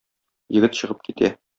Егет чыгып китә.